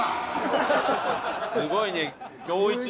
すごいね。